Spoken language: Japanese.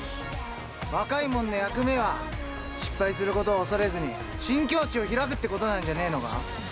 若いもんの役目は、失敗することを恐れずに新境地を開くってことなんじゃねえのか。